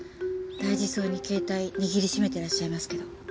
大事そうに携帯握りしめていらっしゃいますけど。